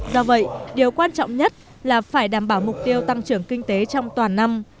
do vậy điều quan trọng nhất là phải đảm bảo mục tiêu tăng trưởng kinh tế trong toàn năm